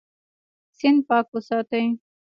سیند پاک وساتئ.